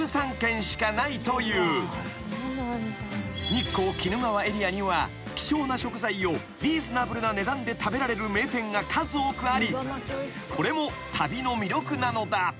［日光鬼怒川エリアには希少な食材をリーズナブルな値段で食べられる名店が数多くありこれも旅の魅力なのだ］